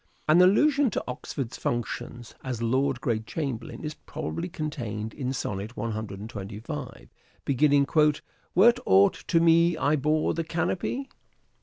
An allusion to Oxford's functions as Lord Great Chamberlain is probably contained in Sonnet 125 beginning, " Were't aught to me I bore the canopy